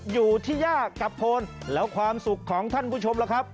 อยู่ที่ย่ากับโคนแล้วความสุขของท่านผู้ชมล่ะครับ